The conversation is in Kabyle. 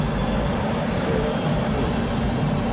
Ssarameɣ uhu.